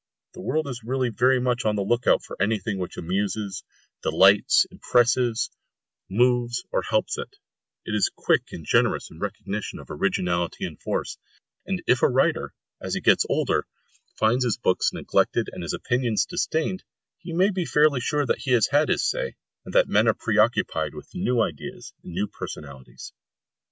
The world is really very much on the look out for anything which amuses, delights, impresses, moves, or helps it; it is quick and generous in recognition of originality and force; and if a writer, as he gets older, finds his books neglected and his opinions disdained, he may be fairly sure that he has said his say, and that men are preoccupied with new ideas and new personalities.